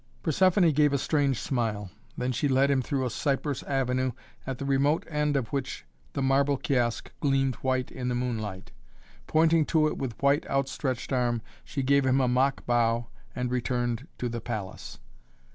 Persephoné gave a strange smile, then she led him through a cypress avenue, at the remote end of which the marble kiosk gleamed white in the moonlight. Pointing to it with white outstretched arm she gave him a mock bow and returned to the palace.